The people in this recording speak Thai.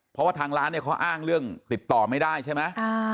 เพราะว่าทางร้านเนี่ยเขาอ้างเรื่องติดต่อไม่ได้ใช่ไหม